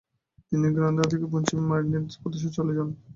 তিনি গ্রানাদা থেকে পশ্চিমে মারিনিদ প্রদেশে চলে যান।